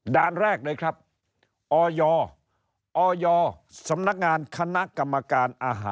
ด้านแรกเลยครับ